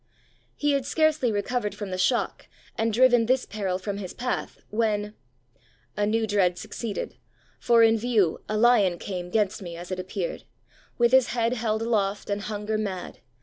He had scarcely recovered from the shock, and driven this peril from his path, when ... a new dread succeeded, for in view A lion came, 'gainst me, as it appeared, With his head held aloft and hunger mad.